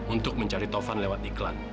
untuk mencari tovan lewat iklan